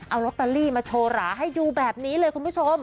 เอาลอตเตอรี่มาโชว์หราให้ดูแบบนี้เลยคุณผู้ชม